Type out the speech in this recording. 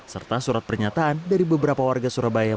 serta surat pernyataan dari beberapa warga surabaya